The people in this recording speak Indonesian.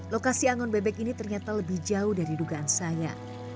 lokasi angon bebek ini ternyata lebih jauh dari dugaan saya